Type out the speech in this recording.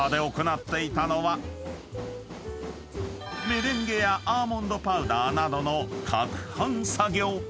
［メレンゲやアーモンドパウダーなどの攪拌作業］